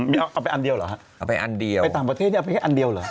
เอาไปอันเดียวเหรอฮะไปต่างประเทศนี้เอาไปแค่อันเดียวเหรอ